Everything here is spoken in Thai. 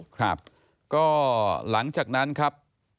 ก็หลังจากนั้นครับ